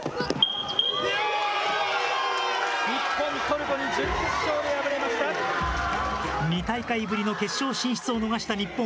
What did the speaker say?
日本、２大会ぶりの決勝進出を逃した日本。